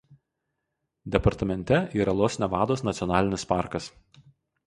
Departamente yra Los Nevados nacionalinis parkas.